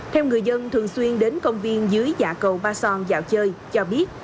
theo người dân thường xuyên đến công viên dưới dạ cầu ba son dạo chơi cho biết